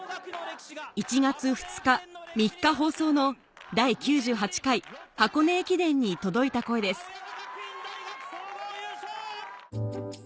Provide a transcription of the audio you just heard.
１月２日３日放送の『第９８回箱根駅伝』に届いた声です